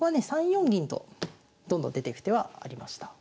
３四銀とどんどん出てく手はありました。